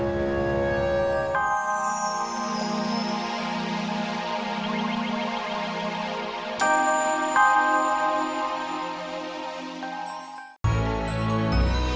itu nggak betul